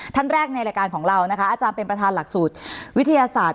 ท่านแรกในรายการของเรานะคะอาจารย์เป็นประธานหลักสูตรวิทยาศาสตร์